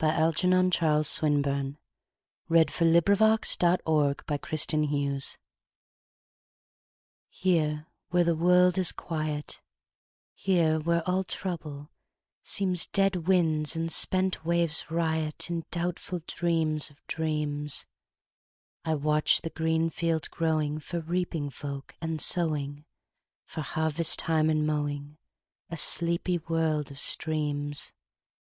Algernon Charles Swinburne 737. The Garden of Proserpine HERE, where the world is quiet, Here, where all trouble seemsDead winds' and spent waves' riotIn doubtful dreams of dreams;I watch the green field growingFor reaping folk and sowing, For harvest time and mowing,A sleepy world of streams.